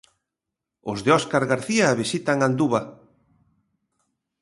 Os de Óscar García visitan Anduva.